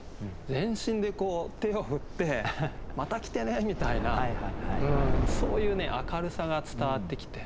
全身で手を振って「また来てね！」みたいなそういう明るさが伝わってきて。